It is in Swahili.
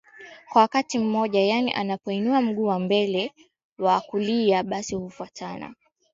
kwa wakati mmoja Yani anapo inua mguu wa mbele wa kulia basi hufuatana na